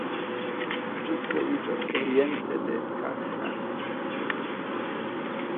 Ĝi troviĝas oriente de Krhanice.